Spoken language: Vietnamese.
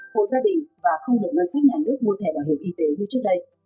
hộ gia đình và không được ngân sách nhà nước mua thẻ bảo hiểm y tế như trước đây